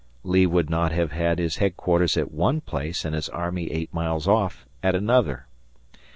Lee would not have had his headquarters at one place and his army eight miles off at another.